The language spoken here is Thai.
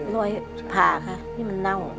รอยผ่าค่ะนี่มันเน่า